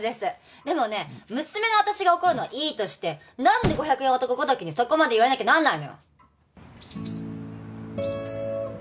でもね娘の私が怒るのはいいとして何で５００円男ごときにそこまで言われなきゃなんないのよ。